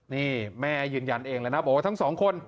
นี่แม่ยืนยันเองเลยนะบอกว่าทั้งสองคน